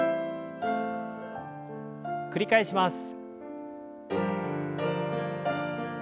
繰り返します。